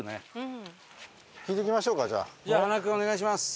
君お願いします。